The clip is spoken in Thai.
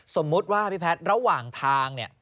สมมุติว่าพี่แพทย์ระหว่างทางเนี่ย